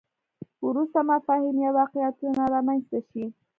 وروسته مفاهیم یا واقعیتونه رامنځته شي.